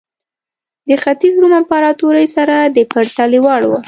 د ختیځ روم امپراتورۍ سره د پرتلې وړ وه.